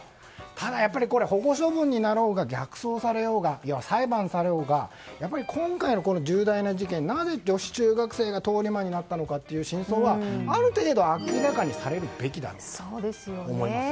ただ、保護処分になろうが逆送されようが裁判されようが今回の重大な事件はなぜ女子中学生が通り魔になったのかという真相はある程度明らかにされるべきなんです。